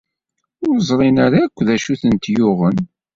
Ur ẓrin ara akk d acu i tent-yuɣen.